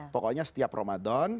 pokoknya setiap romadhon